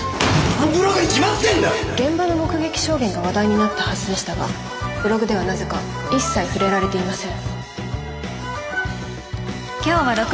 現場の目撃証言が話題になったはずでしたがブログではなぜか一切触れられていません。